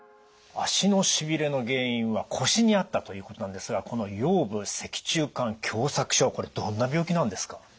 足のしびれの原因は腰にあったということなんですがこの腰部脊柱管狭窄症これどんな病気なんですか？